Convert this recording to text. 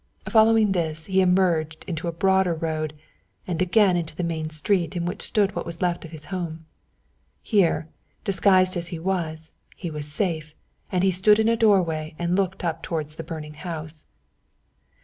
Following this he emerged into a broader road, and again into the main street in which stood what was left of his home. Here, disguised as he was, he was safe, and he stood in a doorway and looked up towards the burning house.